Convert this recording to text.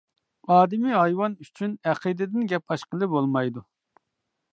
ئادىمىي ھايۋان ئۈچۈن ئەقىدىدىن گەپ ئاچقىلى بولمايدۇ.